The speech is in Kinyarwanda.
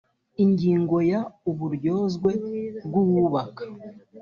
ingingo ya uburyozwe bw uwubaka